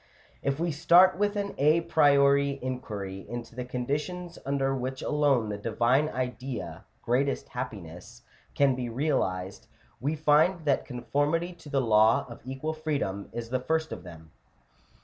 If we start with an a priori inquiry into the condi tions under which alone the Divine Idea — greatest happiness — can be realized, we find that conformity to the law of equal freedom is the first of them (Chap.